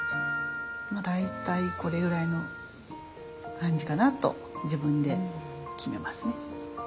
まあ大体これぐらいの感じかなと自分で決めますね。